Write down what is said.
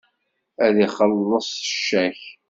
Ad ixelleṣ s ccak.